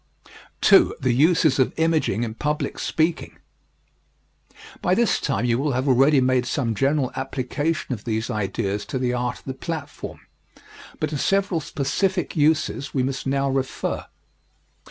II. THE USES OF IMAGING IN PUBLIC SPEAKING By this time you will have already made some general application of these ideas to the art of the platform, but to several specific uses we must now refer.